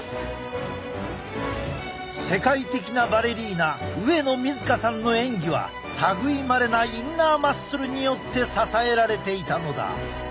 世界的なバレリーナ上野水香さんの演技は類いまれなインナーマッスルによって支えられていたのだ。